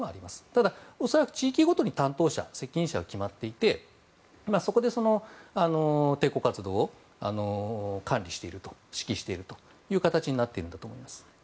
ただ、恐らく地域ごとに担当者、責任者が決まっていてそこで抵抗活動を管理している指揮しているという形になっているんだと思います。